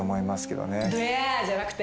「どや」じゃなくて？